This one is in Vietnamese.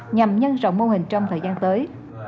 nhằm nhân rộng mô hình trong thời gian tới